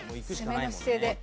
攻めの姿勢で。